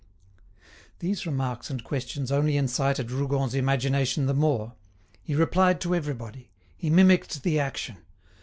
These remarks and questions only incited Rougon's imagination the more. He replied to everybody. He mimicked the action.